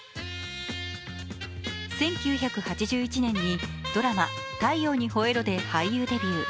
１９８１年にドラマ「太陽にほえろ！」で俳優デビュー。